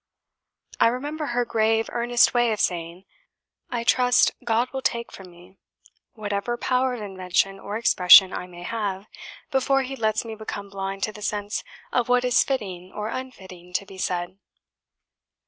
I remember her grave, earnest way of saying, "I trust God will take from me whatever power of invention or expression I may have, before He lets me become blind to the sense of what is fitting or unfitting to be said!"